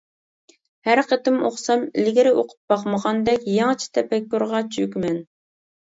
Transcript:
ھەر قېتىم ئوقۇسام، ئىلگىرى ئوقۇپ باقمىغاندەك، يېڭىچە تەپەككۇرغا چۆكىمەن.